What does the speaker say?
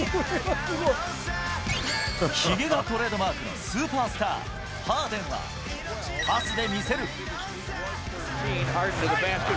ひげがトレードマークのスーパースター、ハーデンは、パスで見せる。